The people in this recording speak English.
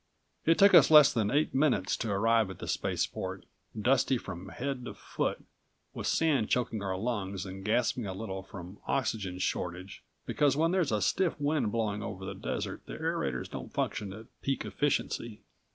It took us less than eight minutes to arrive at the spaceport, dusty from head to foot, with sand choking our lungs and gasping a little from oxygen shortage, because when there's a stiff wind blowing over the desert the aerators don't function at peak efficiency.